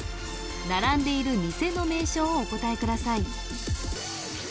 並んでいる店の名称をお答えください